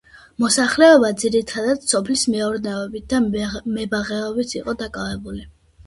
მოსახლეობა ძირითადად სოფლის მეურნეობით და მებაღეობით იყო დაკავებული.